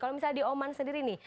kalau misalnya di oman sendiri nih